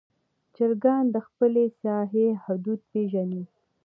چرګان د خپل ساحې حدود پېژني.